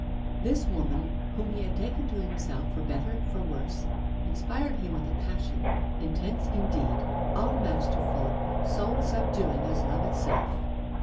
This woman, whom he had taken to himself for better, for worse, inspired him with a passion, intense indeed, all masterful, soul subduing as Love itself....